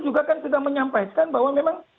juga kan sudah menyampaikan bahwa memang